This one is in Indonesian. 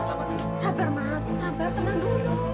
sabar tenang dulu